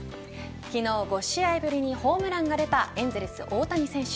昨日５試合ぶりにホームランが出た、エンゼルス、大谷選手。